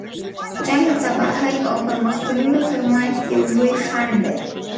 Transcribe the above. جنګ د تباهۍ او پرمخ تللو تر منځ یو لوی خنډ دی.